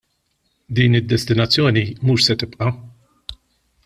Din id-distinzjoni mhux se tibqa'.